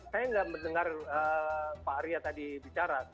saya nggak mendengar pak arya tadi bicara